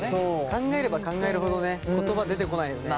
考えれば考えるほどね言葉出てこないよね。